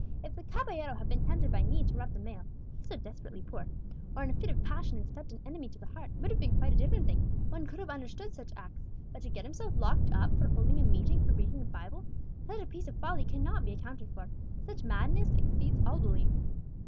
If the caballero had been tempted by need to rob the mail (he is so desperately poor), or in a fit of passion had stabbed an enemy to the heart, it would have been quite a different thing, one could have understood such acts; but to get himself locked up for holding a meeting for reading the Bible, such a piece of folly cannot be accounted for, such madness exceeds all belief!"